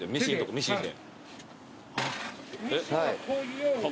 ミシンが。